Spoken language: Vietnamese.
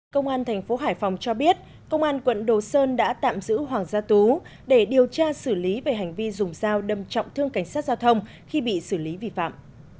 công an thành phố hải phòng cho biết công an quận đồ sơn đã tạm giữ hoàng gia tú để điều tra xử lý về hành vi dùng dao đâm trọng thương cảnh sát giao thông khi bị xử lý vi phạm